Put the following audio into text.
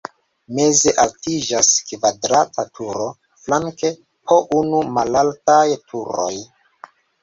Meze altiĝas kvadrata turo, flanke po unu malaltaj turoj.